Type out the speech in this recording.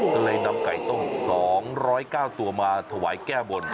ก็เลยนำไก่ต้ม๒๐๙ตัวมาถวายแก้บน